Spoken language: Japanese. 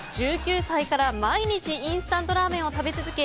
１９歳から毎日インスタントラーメンを食べ続け